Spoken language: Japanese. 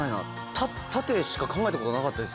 縦しか考えたことなかったです